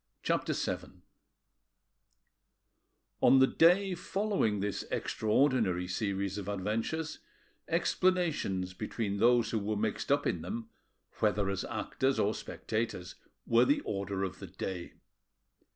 CHAPTER VII On the day following this extraordinary series of adventures, explanations between those who were mixed up in them, whether as actors or spectators, were the order of the day.